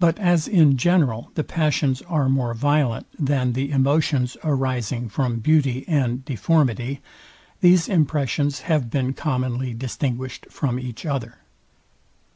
But as in general the passions are more violent than the emotions arising from beauty and deformity, these impressions have been commonly distinguished from each other.